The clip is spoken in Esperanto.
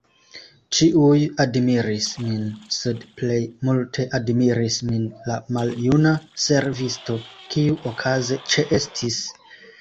Ĉiuj admiris min, sed plej multe admiris min la maljuna servisto, kiu okaze ĉeestis.